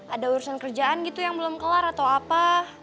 ada urusan kerjaan gitu yang belum kelar atau apa